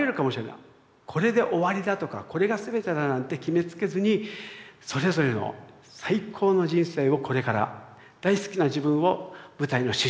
これで終わりだとかこれが全てだなんて決めつけずにそれぞれの最高の人生をこれから大好きな自分を舞台の主人公に置いて。